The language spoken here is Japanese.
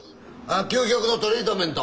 究極のトリートメント。